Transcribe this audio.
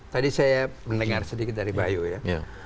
tadi saya mendengar sedikit dari bayu ya